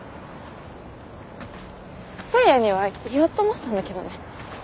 誠也には言おうと思ってたんだけどね。